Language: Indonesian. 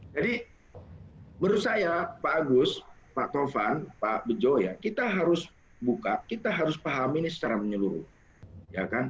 jadi menurut saya pak agus pak tovan pak bejo kita harus buka kita harus pahami ini secara menyeluruh